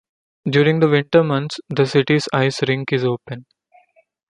During the winter months the city's ice rink is open.